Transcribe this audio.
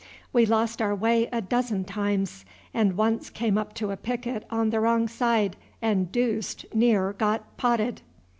We lost our way a dozen times, and once came up to a picket on the wrong side, and deuced near got potted."